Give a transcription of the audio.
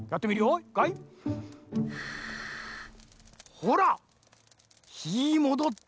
ほらひもどった。